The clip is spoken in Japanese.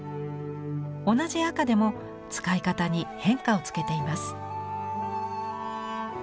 同じ赤でも使い方に変化をつけています。